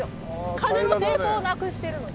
風の抵抗をなくしてるので。